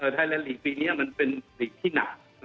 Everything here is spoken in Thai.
ไทยแลนดลีกปีนี้มันเป็นลีกที่หนัก